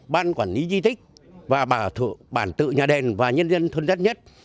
ban quản lý di tích và bản tự nhà đền và nhân dân thuân dắt nhất